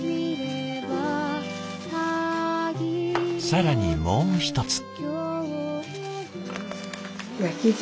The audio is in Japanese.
更にもう一つ。